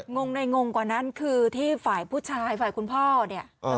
งงในงงกว่านั้นคือที่ฝ่ายผู้ชายฝ่ายคุณพ่อเนี่ย